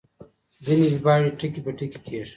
ځينې ژباړې ټکي په ټکي کېږي.